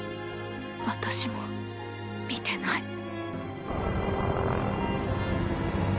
私も見てない。